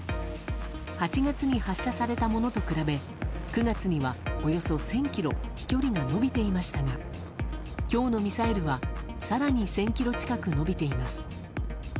８月に発射されたものと比べ９月には、およそ１０００ｋｍ飛距離が延びていましたが今日のミサイルは更に１０００ｋｍ近く延びています。